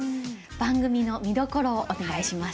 番組の見どころをお願いします。